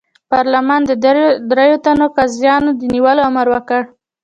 پارلمان د دریوو تنو قاضیانو د نیولو امر وکړ.